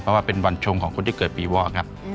เพราะว่าเป็นวันชงของคนที่เกิดปีวอกครับ